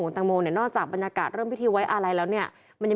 ของตางมวงแนนกนอกจากบรรยากาศเริ่มทิว้ายอะไรเราเนี่ยมันยังมี